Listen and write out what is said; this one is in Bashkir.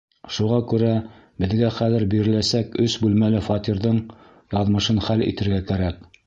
Шуға күрә беҙгә хәҙер биреләсәк өс бүлмәле фатирҙың яҙмышын хәл итергә кәрәк.